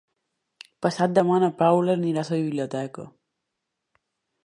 Demà passat na Paula irà a la biblioteca.